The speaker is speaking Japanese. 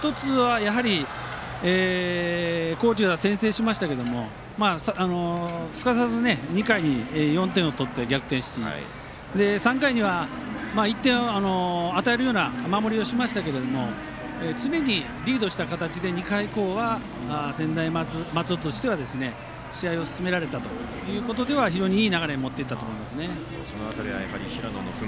１つはやっぱり高知が先制しましたけど専大松戸はすかさず、２回に４点を取って逆転をし３回には１点を与えるような守りをしましたが常にリードした形で２回以降は専大松戸としては試合を進められたというところでは試合をいい流れに持っていけましたね。